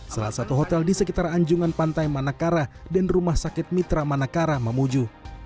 salah satu hotel di sekitar anjungan pantai manakara dan rumah sakit mitra manakara mamuju